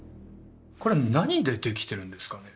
これは何でできてるんですかね？